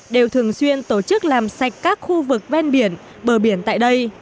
đều thường xuyên tổ chức làm sạch các khu vực ven biển bờ biển tại đây